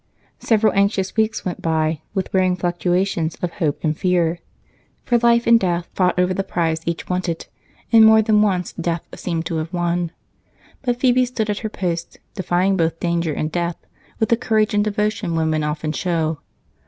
Several anxious weeks went by with wearing fluctuations of hope and fear, for Life and Death fought over the prize each wanted, and more than once Death seemed to have won. But Phebe stood at her post, defying both danger and Death with the courage and devotion women often show.